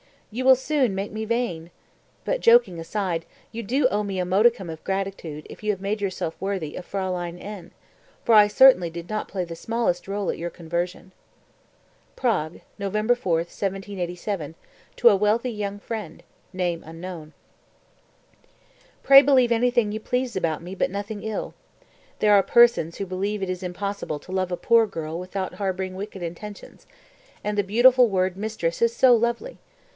You will soon make me vain! But joking aside, you do owe me a modicum of gratitude if you have made yourself worthy of Fraulein N., for I certainly did not play the smallest role at your conversion." (Prague, November 4, 1787, to a wealthy young friend, name unknown.) 242. "Pray believe anything you please about me but nothing ill. There are persons who believe it is impossible to love a poor girl without harboring wicked intentions; and the beautiful word mistress is so lovely!